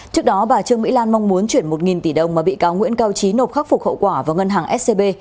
trước đó bà trương mỹ lan mong muốn chuyển một tỷ đồng mà bị cáo nguyễn cao trí nộp khắc phục hậu quả vào ngân hàng scb